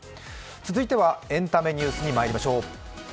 続いてはエンタメニュースにまいりましょう。